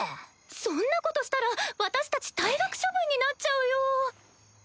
そんなことしたら私たち退学処分になっちゃうよ。